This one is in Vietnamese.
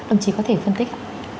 ông chỉ có thể phân tích